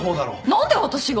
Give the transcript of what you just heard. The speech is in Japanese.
何で私が？